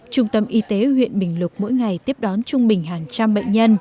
trung tâm y tế huyện bình lục mỗi ngày tiếp đón trung bình hàng trăm bệnh nhân